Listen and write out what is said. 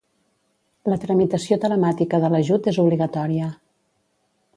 La tramitació telemàtica de l'ajut és obligatòria.